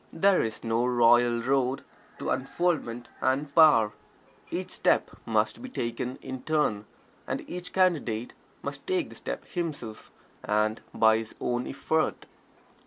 There is no royal road to unfoldment and power each step must be taken in turn, and each Candidate must take the step himself, and by his own effort.